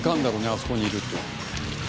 あそこにいるって。